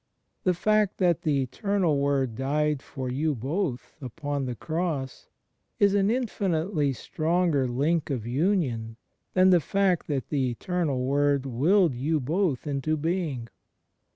The fact that the Eternal Word died for you both upon the Cross is an infinitely stronger link of union than the fact that the Eternal Word willed you both into being.